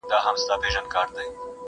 په میراث یې عقل وړی له خپل پلار وو،